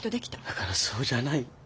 だからそうじゃない。